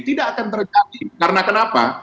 tidak akan terjadi karena kenapa